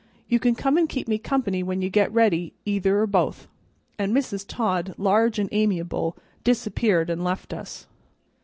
You can come an' keep me company when you get ready, either or both." And Mrs. Todd, large and amiable, disappeared and left us.